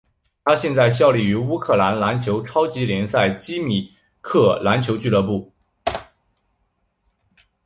他现在效力于乌克兰篮球超级联赛基米克篮球俱乐部。